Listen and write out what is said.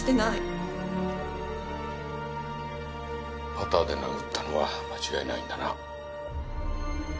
パターで殴ったのは間違いないんだな。